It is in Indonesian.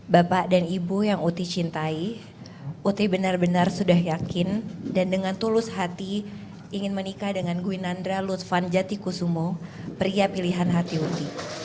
bapak dan ibu yang uti cintai uti benar benar sudah yakin dan dengan tulus hati ingin menikah dengan gwinandra lutfan jatikusumo pria pilihan hati uti